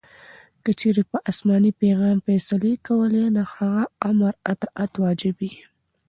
کې چیري په اسماني پیغام فیصلې کولې؛ د هغه آمر اطاعت واجب يي.